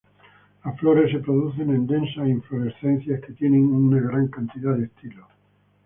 Las flores se producen en densas inflorescencias, que tienen una gran cantidad de estilos.